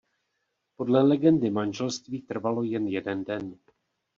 Podle legendy manželství trvalo jen jeden den.